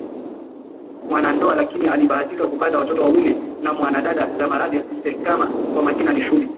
Mwanandoa lakini alibahatika kupata watoto wawili na Mwanadada Zamaradi Mtekema kwa majina ni Shubi